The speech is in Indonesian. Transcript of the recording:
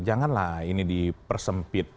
janganlah ini dipersempit